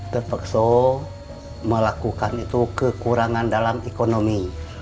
terpaksa melakukan itu kekurangan dalam ekonomi